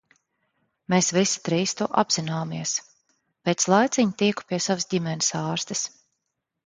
Mēs visi trīs to apzināmies. Pēc laiciņa tieku pie savas ģimenes ārstes.